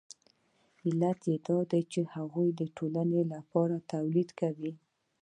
علت یې دا دی چې هغوی د ټولنې لپاره تولید کوي